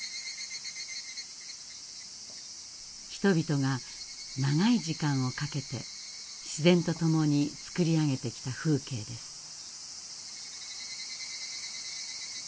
人々が長い時間をかけて自然とともにつくり上げてきた風景です。